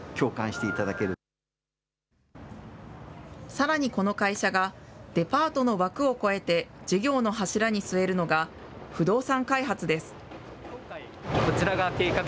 さらにこの会社が、デパートの枠を超えて、事業の柱に据えるのが不動産開発です。